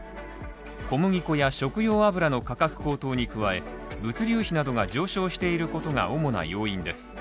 小麦粉や食用油の価格高騰に加え、物流費などが上昇していることが主な要因です。